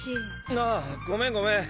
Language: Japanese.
ああごめんごめん！